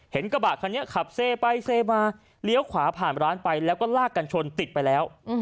กระบะคันนี้ขับเซไปเซมาเลี้ยวขวาผ่านร้านไปแล้วก็ลากกันชนติดไปแล้ว